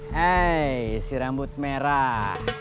hei si rambut merah